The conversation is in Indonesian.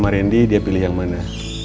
mari dia pilih yang mana